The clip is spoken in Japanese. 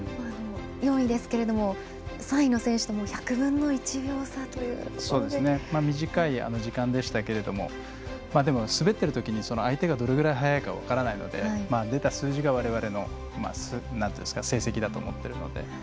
４位ですけれども３位の選手とも１００分の１秒差。短い時間でしたけどでも、滑ってるときに相手がどれぐらい速いか分からないので出た数字がわれわれの成績だと思ってるんで。